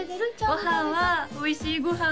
ご飯はおいしいご飯